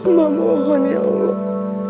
allahumma'alaikum ya allah